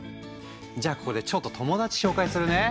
じゃあここでちょっと友達紹介するね。